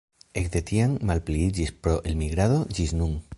Ekde tiam malpliiĝis pro elmigrado ĝis nun.